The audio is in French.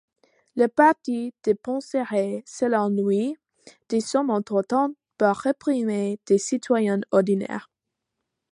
Le parti dépenserait, selon lui, des sommes importantes pour réprimer des citoyens ordinaires.